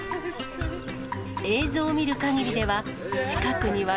映像を見るかぎりでは、近くには